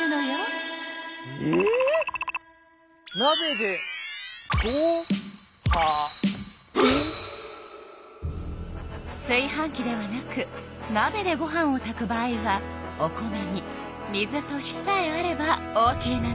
なべですい飯器ではなくなべでご飯を炊く場合はお米に水と火さえあればオーケーなの。